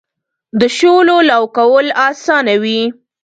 د شولو لو کول اسانه وي.